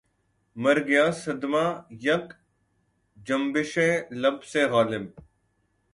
مرگیا صدمہٴ یک جنبشِ لب سے غالب